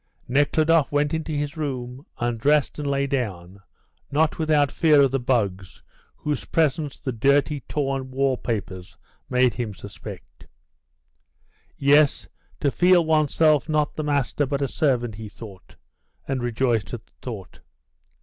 Nekhludoff went into his room, undressed, and lay down, not without fear of the bugs, whose presence the dirty, torn wall papers made him suspect. "Yes, to feel one's self not the master but a servant," he thought, and rejoiced at the thought.